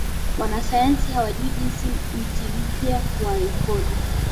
Wanasayansi hawajui Jinsi Mti mpya wa rekodi